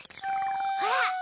ほら。